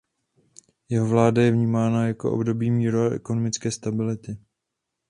Jeho vláda je vnímána jako období míru a ekonomické stability.